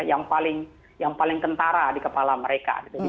yang paling kentara di kepala mereka dibandingkan dengan